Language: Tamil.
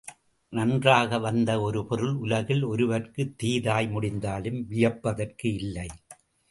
நன்றாக வந்த ஒரு பொருள், உலகில் ஒருவர்க்குத் தீதாய் முடிந்தாலும், வியப்பதற்கு இல்லை.